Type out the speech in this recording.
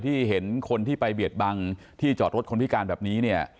เห็นคนที่ไปเบียดบังที่จอดรถคนพิการแบบนี้เนี่ย